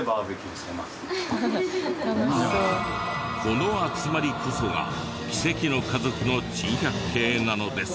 この集まりこそが奇跡の家族の珍百景なのです。